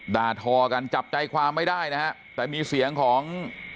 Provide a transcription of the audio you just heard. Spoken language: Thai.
ด่าทอกันจับใจความไม่ได้นะฮะแต่มีเสียงของ